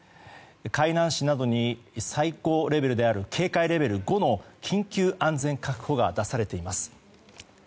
海南市などに最高レベルである警戒レベル５の緊急安全確保が出されています。